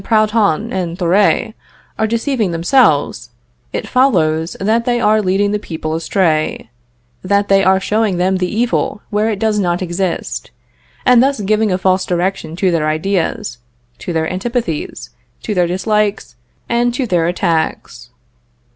Proudhon and Thoré are deceiving themselves, it follows, that they are leading the people astray that they are showing them the evil where it does not exist; and thus giving a false direction to their ideas, to their antipathies, to their dislikes, and to their attacks.